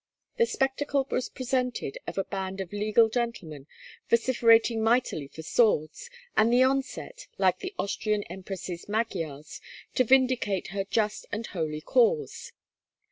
The spectacle was presented of a band of legal gentlemen vociferating mightily for swords and the onset, like the Austrian empress's Magyars, to vindicate her just and holy cause.